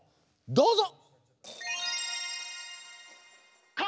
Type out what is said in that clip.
どうぞ！